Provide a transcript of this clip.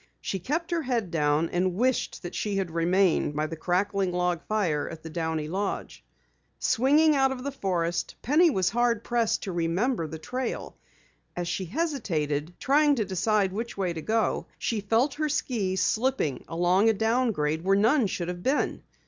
She kept her head down and wished that she had remained by the crackling log fire at the Downey lodge. Swinging out of the forest, Penny was hard pressed to remember the trail. As she hesitated, trying to decide which way to go, she felt her skis slipping along a downgrade where none should have been.